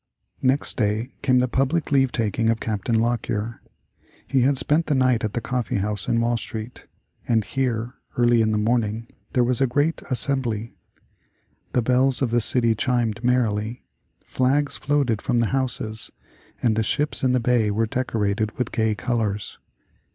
Next day came the public leave taking of Captain Lockyer. He had spent the night at the coffee house in Wall Street, and here, early in the morning, there was a great assembly. The bells of the city chimed merrily; flags floated from the houses, and the ships in the bay were decorated with gay colors.